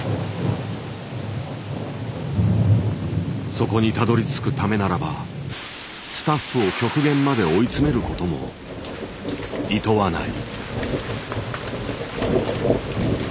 そこにたどりつくためならばスタッフを極限まで追い詰めることも厭わない。